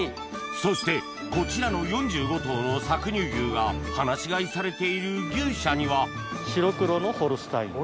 そしてこちらの４５頭の搾乳牛が放し飼いされている牛舎には白黒のホルスタイン。